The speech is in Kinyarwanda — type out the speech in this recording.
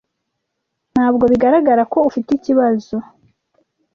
Ntabwo bigaragara ko ufite ikibazo.